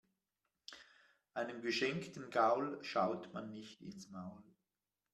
Einem geschenkten Gaul schaut man nicht ins Maul.